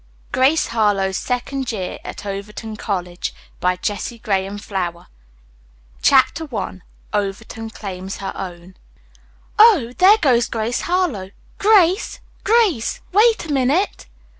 Grace Harlowe's Second Year at Overton College CHAPTER I OVERTON CLAIMS HER OWN "Oh, there goes Grace Harlowe! Grace! Grace! Wait a minute!"